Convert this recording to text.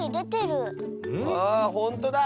あほんとだ！